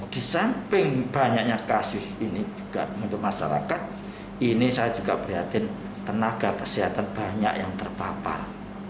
di samping banyaknya kasus ini juga untuk masyarakat ini saya juga prihatin tenaga kesehatan banyak yang terpapar